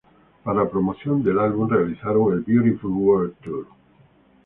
Para promoción del álbum realizaron el Beautiful World Tour.